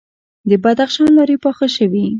د بدخشان لارې پاخه شوي؟